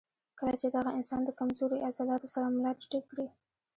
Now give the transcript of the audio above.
کله چې دغه انسان د کمزوري عضلاتو سره ملا ټېټه کړي